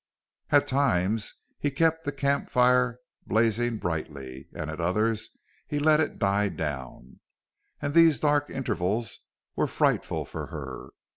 At times he kept the camp fire blazing brightly; at others he let it die down. And these dark intervals were frightful for her.